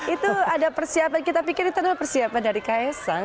itu ada persiapan kita pikir itu adalah persiapan dari ks sang